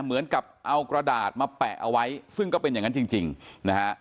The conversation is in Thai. เหมือนกับเอากระดาษมาแปะเอาไว้ซึ่งก็เป็นอย่างนั้นจริงนะฮะ